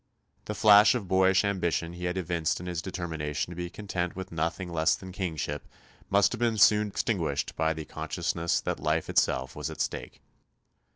The flash of boyish ambition he had evinced in his determination to be content with nothing less than kingship must have been soon extinguished by the consciousness that life itself was at stake.